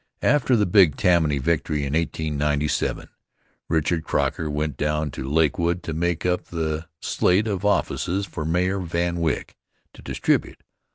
After the big Tammany victory in 1897, Richard Croker went down to Lakewood to make up the slate of offices for Mayor Van Wyck to distribute.